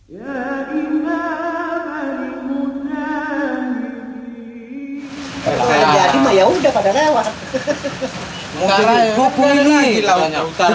jadi yaudah pada lewat